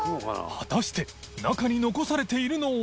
未燭靴中に残されているのは？